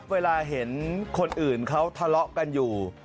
เวลาเห็นคนอื่นเขาทะเลาะกันอยู่